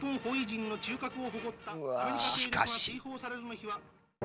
しかし。